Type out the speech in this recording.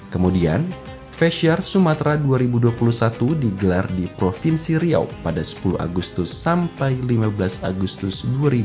kemudian festiar sumatera dua ribu dua puluh satu digelar di provinsi riau pada sepuluh agustus sampai lima belas agustus dua ribu dua puluh